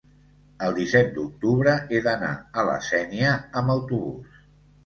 el disset d'octubre he d'anar a la Sénia amb autobús.